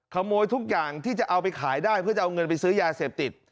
ขโมยทุกอย่างที่จะเอาไปขายได้เพื่อจะเอาเงินไปซื้อยาเสพติด